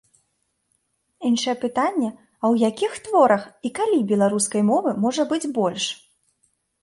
Іншае пытанне, а ў якіх творах і калі беларускай мовы можа быць больш?